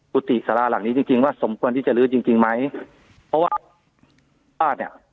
กุฏิสาราหลังนี้จริงจริงว่าสมควรที่จะลื้อจริงจริงไหมเพราะว่าป้าเนี้ย